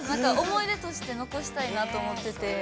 思い出として残したいなと思ってて。